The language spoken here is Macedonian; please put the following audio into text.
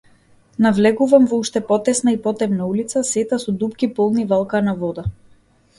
Навлегувам во уште потесна и потемна улица, сета со дупки полни валкана вода.